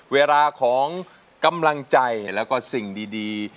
เวลาของกำลังใจแล้วก็สิ่งดี